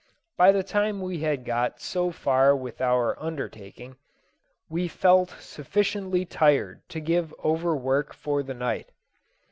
By the time we had got so far with our undertaking, we fell sufficiently tired to give over work for the night.